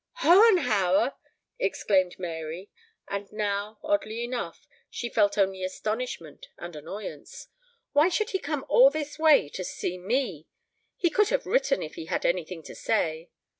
"Hohenhauer!" exclaimed Mary, and now, oddly enough, she felt only astonishment and annoyance. "Why should he come all this way to see me? He could have written if he had anything to say."